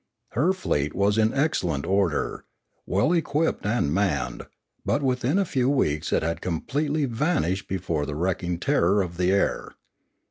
Her fleet was in excellent order, well equipped and manned, but within a few weeks it had completely vanished before the wrecking terror of the air.